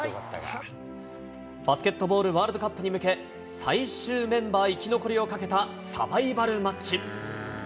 バスケットボールワールドカップに向け、最終メンバー生き残りをかけたサバイバルマッチ。